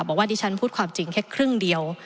บอกว่าดิฉันพูดความจริงแค่ครึ่งเดียว